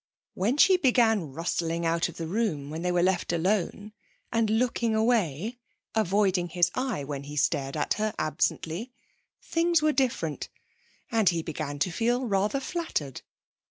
When she began rustling out of the room when they were left alone, and looking away, avoiding his eye when he stared at her absently, things were different, and he began to feel rather flattered.